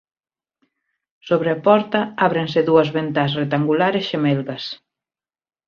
Sobre a porta ábrense dúas ventás rectangulares xemelgas.